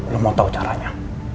lo mau tau caranya